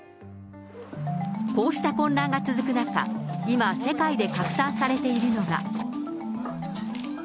こうした混乱が続く中、今、世界で拡散されているのが。